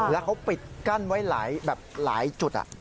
แล้วเขาปิดกั้นไว้หลายจุด